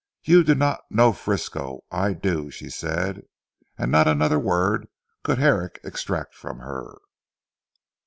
"You do not know Frisco; I do," she said: and not another word could Herrick extract from her.